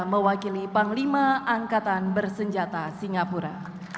mewakili panglima angkatan bersenjata singapura